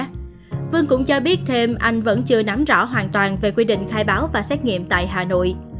đó vương cũng cho biết thêm anh vẫn chưa nắm rõ hoàn toàn về quy định khai báo và xét nghiệm tại hà nội